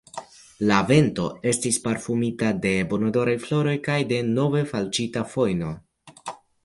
La vento estis parfumita de bonodoraj floroj kaj de novefalĉita fojno.